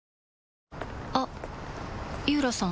あっ井浦さん